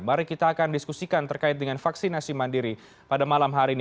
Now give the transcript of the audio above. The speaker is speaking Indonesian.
mari kita akan diskusikan terkait dengan vaksinasi mandiri pada malam hari ini